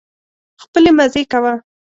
خپلې مزې کوه.